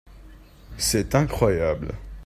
C'est incroyable !